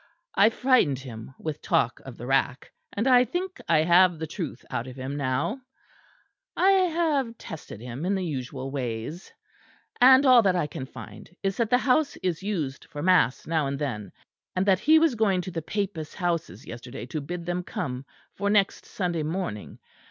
I frightened him with talk of the rack; and I think I have the truth out of him now; I have tested him in the usual ways and all that I can find is that the house is used for mass now and then; and that he was going to the papists' houses yesterday to bid them come for next Sunday morning.